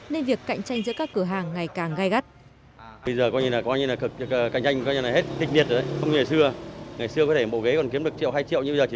nên việc cạnh tranh giữa các cửa hàng ngày càng gai gắt